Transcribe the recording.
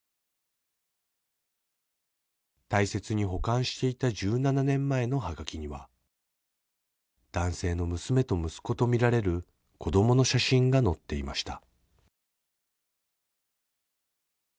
大切に保管していた１７年前のはがきには男性の娘と息子とみられる子供の写真が載っていました。